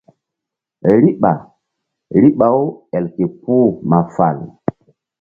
Riɓa riɓa-u el ke puh ma fal.